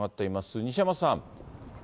西山さん。